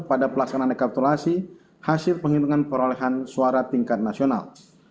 pada pelaksanaan rekapitulasi hasil penghitungan perolehan suara tingkat nasional